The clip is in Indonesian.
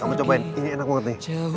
kamu cobain ini enak banget nih